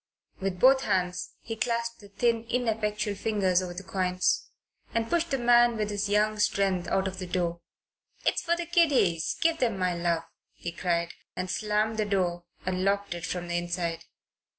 With both hands he clasped the thin, ineffectual fingers over the coins and pushed the man' with his young strength out of the door. "It's for the kiddies. Give them my love," he cried, and slammed the door and locked it from the inside.